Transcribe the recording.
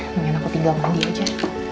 mendingan aku tinggal mandi aja